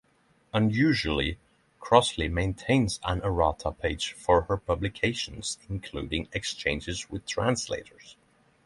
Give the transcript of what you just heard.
Unusually, Crossley maintains an errata page for her publications, including exchanges with translators.